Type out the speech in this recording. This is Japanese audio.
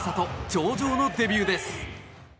上々のデビューです。